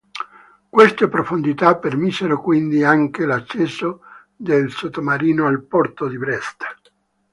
Queste profondità permisero quindi anche l'accesso dei sottomarini al porto di Brest.